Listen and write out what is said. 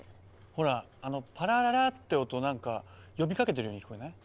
ほらあの「パラララ」って音なんか呼びかけてるように聞こえない？